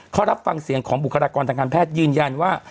เขารับฟังเสียงของบุคลากรทางการแพทย์ยืนยันว่า